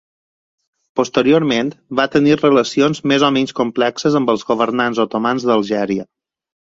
Posteriorment va tenir relacions més o menys complexes amb els governants otomans d'Algèria.